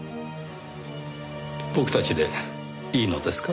僕たちでいいのですか？